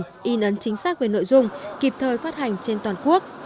trong những năm qua đã hoàn thành xuất sắc về nội dung kịp thời phát hành trên toàn quốc